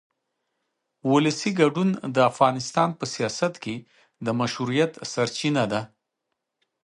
ولسي ګډون د افغانستان په سیاست کې د مشروعیت سرچینه ده